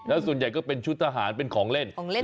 แล้วส่วนใหญ่ก็เป็นชุดทหารเป็นของเล่น